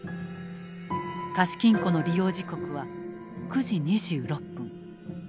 貸金庫の利用時刻は９時２６分。